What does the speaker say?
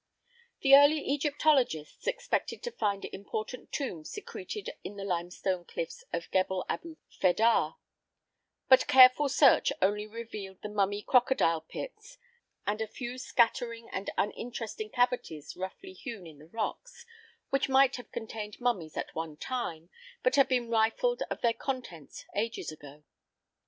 The early Egyptologists expected to find important tombs secreted in the limestone cliffs of Gebel Abu Fedah; but careful search only revealed the mummy crocodile pits and a few scattering and uninteresting cavities roughly hewn in the rocks, which might have contained mummies at one time, but had been rifled of their contents ages ago.